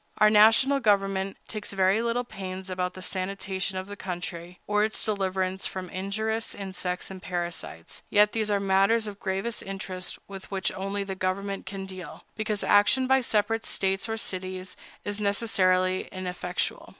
Our national government takes very little pains about the sanitation of the country, or its deliverance from injurious insects and parasites; yet these are matters of gravest interest, with which only the general government can deal, because action by separate States or cities is necessarily ineffectual.